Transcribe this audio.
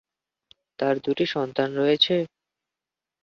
তার দুটি সন্তান রয়েছে।